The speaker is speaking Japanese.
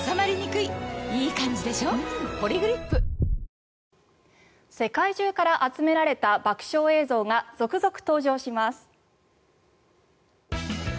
「ディアナチュラ」世界中から集められた爆笑映像が続々登場します。